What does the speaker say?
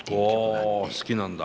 あ好きなんだ。